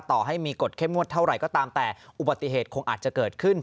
ต่อให้มีกฎเข้มงวดเท่าไหร่ก็ตามแต่อุบัติเหตุคงอาจจะเกิดขึ้น